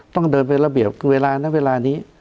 ต้องเดินไประเบียบเวลานั้นเวลานี้